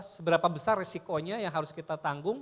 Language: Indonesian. seberapa besar resikonya yang harus kita tanggung